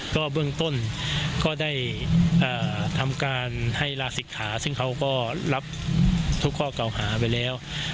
ก็เบื้องต้นก็ได้ทำการให้ลาศิกขาซึ่งเขาก็รับทุกข้อเก่าหาไปแล้ว